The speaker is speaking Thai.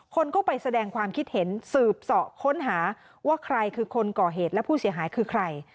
คนก็ไปแสดงความคิดเห็นสืบเสาะค้นหาว่าใครคือคนก่อเหตุและผู้เสียหายคือใคร